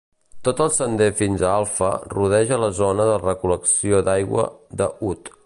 Tot el sender fins a Alfa rodeja la Zona de Recol·lecció d'Aigua de Hutt.